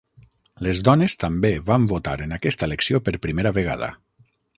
Les dones també van votar en aquesta elecció per primera vegada.